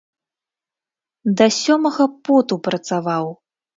Да сёмага поту працаваў!